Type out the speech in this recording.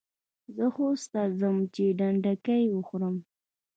زه خوست ته ځم چي ډنډکۍ وخورم.